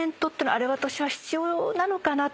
あれは必要なのかなと。